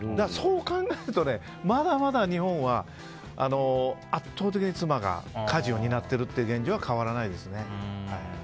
そう考えると、まだまだ日本は圧倒的に妻が家事を担っているという現状は変わらないですね。